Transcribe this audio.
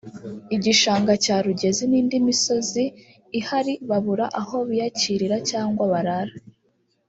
igishanga cya Rugezi n’indi mizosi ihari babura aho biyakirira cyangwa barara